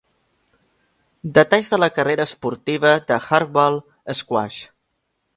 Detalls de la carrera esportiva de Hardball Squash.